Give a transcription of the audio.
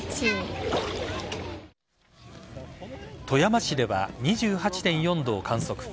富山市では２８．４度を観測。